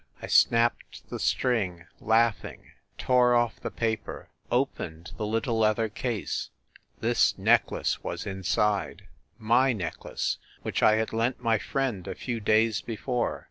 I snapped the string, laughing, tore off the paper, opened the little leather case ... this necklace was inside! ... my necklace, which I had lent my friend a few days before